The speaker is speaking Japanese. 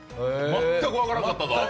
全く分からなかったぞ。